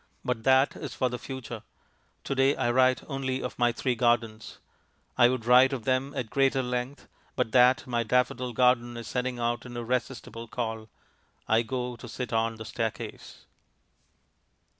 But that is for the future. To day I write only of my three gardens. I would write of them at greater length but that my daffodil garden is sending out an irresistible call. I go to sit on the staircase.